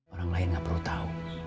orang lain gak perlu tahu